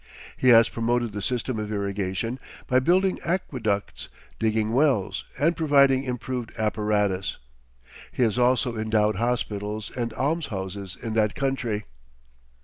He has promoted the system of irrigation by building aqueducts, digging wells, and providing improved apparatus. He has also endowed hospitals and almshouses in that country.